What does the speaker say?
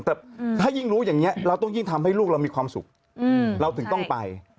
แต่ถ้ายิ่งรู้อย่างนี้เราต้องยิ่งทำให้ลูกเรามีความสุขเราถึงต้องไป